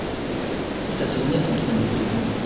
Tout a tourné contre nous.